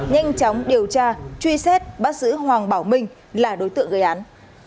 nhanh chóng điều tra truy xét bắt giữ hoàng bảo minh là đối tượng gây án